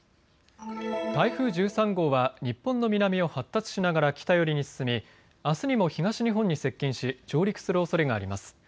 台風１３号は日本の南を発達しながら北寄りに進みあすにも東日本に接近し上陸するおそれがあります。